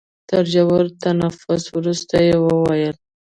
تر ژور تنفس وروسته يې وويل.